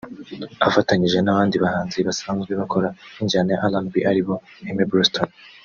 afatanyije n'abandi bahanzi basanzwe bakora injyana ya RnB ari bo; Aime Bluestone